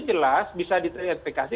jelas bisa diterapikasi